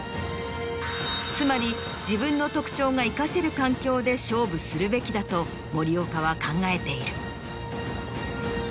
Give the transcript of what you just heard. つまり自分の特徴が生かせる環境で勝負するべきだと森岡は考えている。